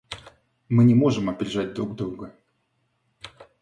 Мы не можем опережать друг друга.